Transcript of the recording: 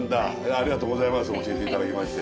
ありがとうございます教えて頂きまして。